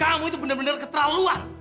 kamu itu bener bener keterlaluan